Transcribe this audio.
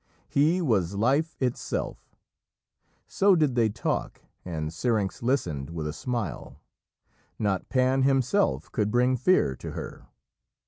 He was Life itself. So did they talk, and Syrinx listened with a smile. Not Pan himself could bring Fear to her.